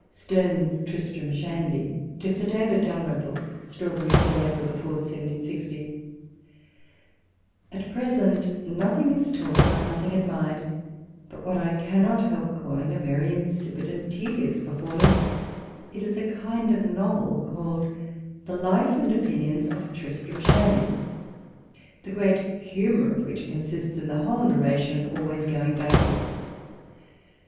^.. STEnXE\S " TBISTRAM SHANDY." To Sib Davto D.^lrymple. Strawberry Hill, April 4, 1760. ... At present, nothing is talked of, nothing admired, but what I cannot help calling a very insipid and tedious performance : it is a kind of novel, called " The Life and Opinions of Tristram Shandy "; the great humour of which consists in the whole narration always going backwards.